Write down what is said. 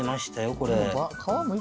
これ。